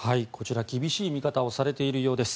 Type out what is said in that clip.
厳しい見方をされているようです。